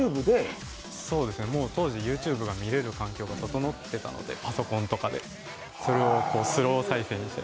当時、ＹｏｕＴｕｂｅが見れる環境が整ってたのでパソコンとかで、それをスロー再生して。